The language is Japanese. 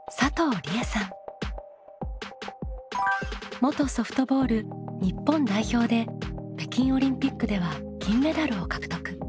元ソフトボール日本代表で北京オリンピックでは金メダルを獲得。